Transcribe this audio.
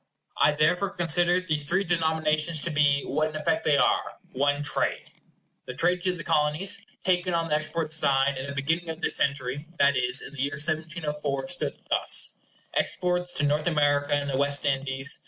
I therefore consider these three denominations to be, what in effect they are, one trade. The trade to the Colonies, taken on the export side, at the beginning of this century, that is, in the year 1704, stood thus:— Exports to North America and the West Indies.